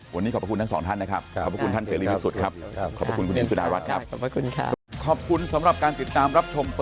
วันนี้ขอบคุณทั้งสองท่านนะครับ